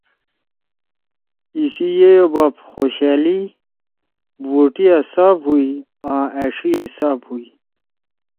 ایِسی یِئی او باپ خوشألی بوٹیِا ساب ہُوئی آں أݜی ئی ساب ہُوئی۔